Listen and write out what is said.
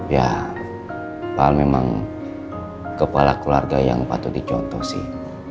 ya pak memang kepala keluarga yang patut dicontoh sih